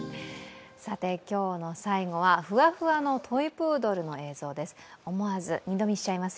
今日の最後は、ふわふわのトイプードルの映像です。